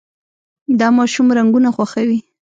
دا ماشوم رنګونه خوښوي.